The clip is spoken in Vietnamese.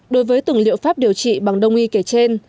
đối với từng liệu pháp điều trị bằng đồng y kể trên